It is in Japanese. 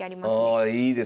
ああいいですね